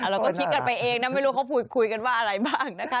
เราก็คิดกันไปเองนะไม่รู้เขาพูดคุยกันว่าอะไรบ้างนะคะ